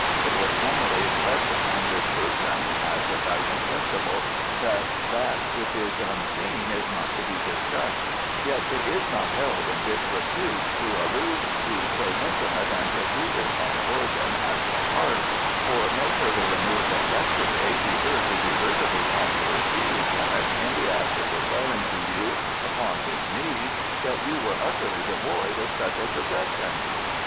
It was formerly impressed upon this person, as a guiding principle, that that which is unseen is not to be discussed; yet it is not held in disrepute to allude to so intimate and secluded an organ as the heart, for no further removed than yesterday he heard the deservedly popular sea lieutenant in the act of declaring to you, upon his knees, that you were utterly devoid of such a possession."